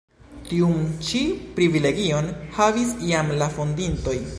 Tiun ĉi privilegion havis jam la fondintoj.